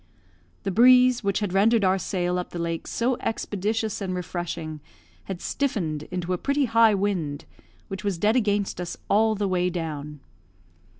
The breeze, which had rendered our sail up the lakes so expeditious and refreshing, had stiffened into a pretty high wind, which was dead against us all the way down.